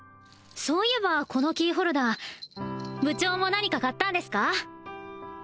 そういえばこのキーホルダー部長も何か買ったんですか？